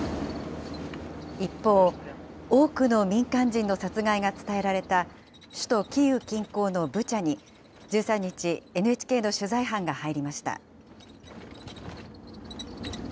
一方、多くの民間人の殺害が伝えられた、首都キーウ近郊のブチャに、１３日、ＮＨＫの取材班が入りました。